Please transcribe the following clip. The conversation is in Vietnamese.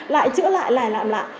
lại chữa lại lại làm lại